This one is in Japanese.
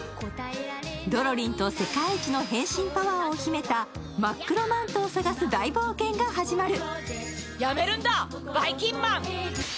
ドロリンと世界一の変身パワーを秘めたまっくろマントを探す大冒険が始まる。